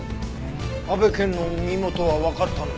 阿部健の身元はわかったのに。